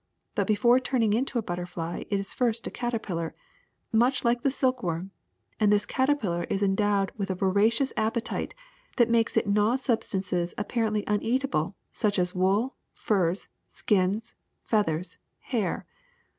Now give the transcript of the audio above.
But before turning into a butterfly it is first a caterpillar, much like the silk worm; and this caterpillar is endowed with a vora cious appetite that makes it gnaw substances ap parently uneatable, such as wool, furs, skins, feathers, hair.